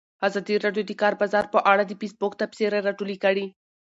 ازادي راډیو د د کار بازار په اړه د فیسبوک تبصرې راټولې کړي.